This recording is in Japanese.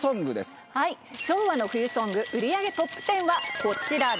はい昭和の冬ソング売り上げトップテンはこちらです。